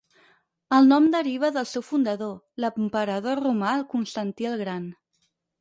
El nom deriva del seu fundador, l'emperador romà Constantí el Gran.